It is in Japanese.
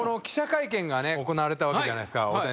記者会見がね行われたわけじゃないっすか。